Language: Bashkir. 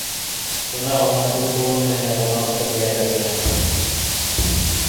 Бына уның үҙ ҡулы менән яҙған автобиографияһы.